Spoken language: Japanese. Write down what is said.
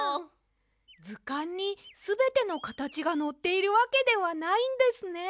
ずかんにすべてのかたちがのっているわけではないんですね。